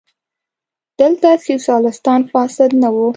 دلته سیاستوال فاسد نه وو.